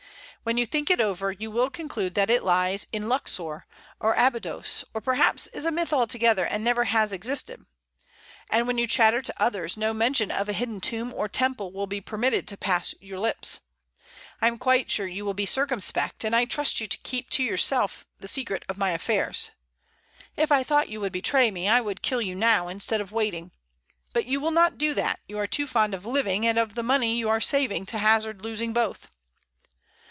When you think it over, you will conclude that it lies in Luxor, or Abydos, or perhaps is a myth altogether, and never has existed. And, when you chatter to others, no mention of a hidden tomb or temple will be permitted to pass your lips. I am quite sure you will be circumspect, and I trust you to keep to yourself the secret of my affairs. If I thought you would betray me, I would kill you now, instead of waiting. But you will not do that; you are too fond of living and of the money you are saving to hazard losing both."